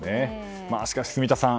しかし、住田さん。